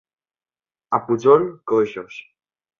A Pujol, coixos.